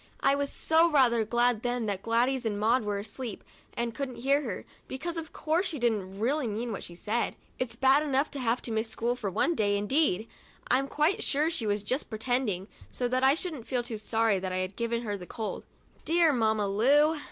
I was rather glad then that Gladys and Maud were asleep and couldn't hear her, because, of course, she didn't really mean what she said. It's bad enough to have to miss school for one day, indeed ! I'm quite sure she was just pretending, so that I shouldn't feel too sorry that I had given her the cold — dear Mamma Lu !